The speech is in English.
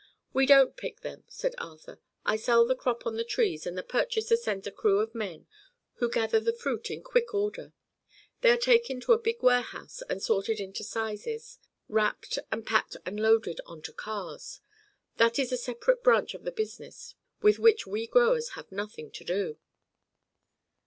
"We don't pick them," said Arthur. "I sell the crop on the trees and the purchaser sends a crew of men who gather the fruit in quick order. They are taken to big warehouses and sorted into sizes, wrapped and packed and loaded onto cars. That is a separate branch of the business with which we growers have nothing to do."